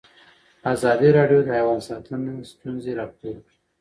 ازادي راډیو د حیوان ساتنه ستونزې راپور کړي.